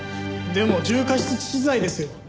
でも重過失致死罪ですよ！